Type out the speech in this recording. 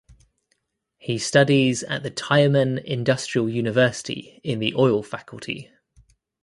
He studies at the Tyumen Industrial University in the oil faculty.